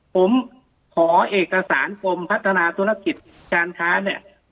ผมขอเอกสารกรมพัฒนาธุรกิจการค้าเนี่ย